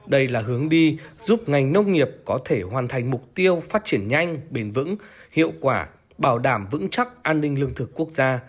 đây là hướng đi giúp ngành nông nghiệp có thể hoàn thành mục tiêu phát triển nhanh bền vững hiệu quả bảo đảm vững chắc an ninh lương thực quốc gia